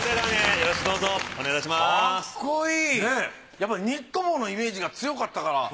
やっぱりニット帽のイメージが強かったから。